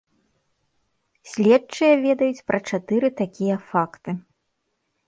Следчыя ведаюць пра чатыры такія факты.